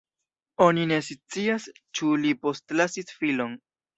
Oni ne scias ĉu li postlasis filon.